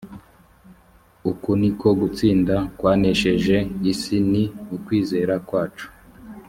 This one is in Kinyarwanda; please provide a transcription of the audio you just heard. uku ni ko gutsinda k kwanesheje l isi ni ukwizera kwacu